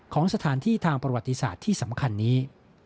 ของสถานที่ทางประวัติศาสตร์ที่สำคัญนี้